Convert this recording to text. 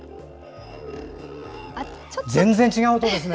全然、違う音ですね。